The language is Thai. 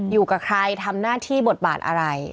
อยู่กับใครทำหน้าที่บทบาทอะไร